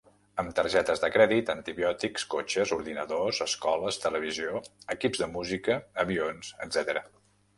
Amb targetes de crèdit, antibiòtics, cotxes, ordinadors, escoles, televisió, equips de música, avions, etcètera.